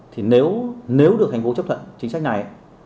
thì nếu được thành phố chấp thuận chính sách này